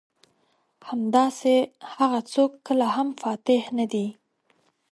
همداسې هغه څوک کله هم فاتح نه دي.